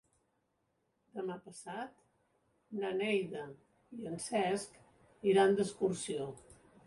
Demà passat na Neida i en Cesc iran d'excursió.